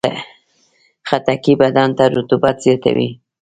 خټکی بدن ته رطوبت زیاتوي.